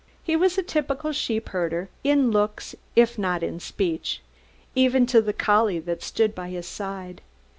He was a typical sheepherder in looks if not in speech, even to the collie that stood by his side.